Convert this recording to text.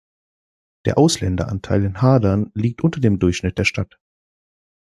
Der Ausländeranteil in Hadern liegt unter dem Durchschnitt der Stadt.